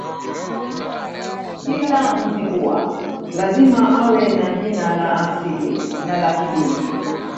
Kila Mzigua lazima awe na jina la asili na la kidini